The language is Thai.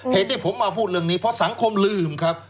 เหตุที่ผมมาพูดเรื่องนี้เพราะสังคมลืมครับ